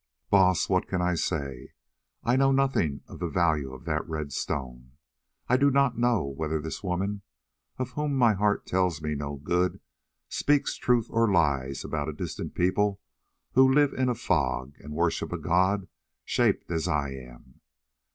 "Baas, what can I say? I know nothing of the value of that red stone. I do not know whether this woman, of whom my heart tells me no good, speaks truth or lies about a distant people who live in a fog and worship a god shaped as I am.